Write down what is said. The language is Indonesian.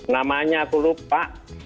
namanya aku lupa